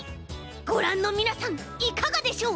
ごらんのみなさんいかがでしょう？